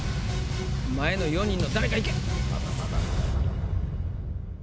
前の４人の誰かいけ！